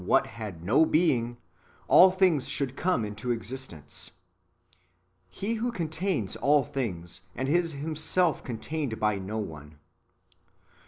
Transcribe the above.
what had no being, all things should come into existence:" He who contains all things, and is Himself contained by no one.